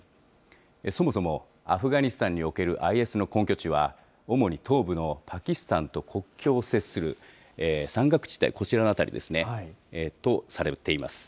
そもそもアフガニスタンにおけるＩＳの根拠地は主に東部のパキスタンと国境を接する山岳地帯、こちらの辺りですね、とされています。